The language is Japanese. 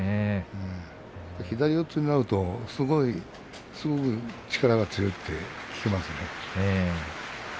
左四つになると力が強いときますね。